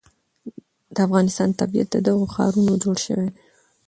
د افغانستان طبیعت له دغو ښارونو جوړ شوی دی.